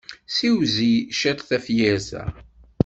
Ssewzel ciṭ tafyirt-a.